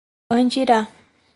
Andirá